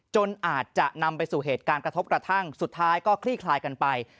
จนอาจจะนำไปสู่เหตุการณ์กระทบกระทั่งสุดท้ายก็คลี่คลายกันไป